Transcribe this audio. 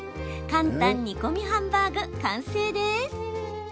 簡単煮込みハンバーグ完成です。